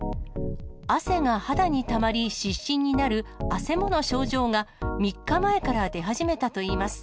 汗が肌にたまり湿疹になるあせもの症状が、３日前から出始めたといいます。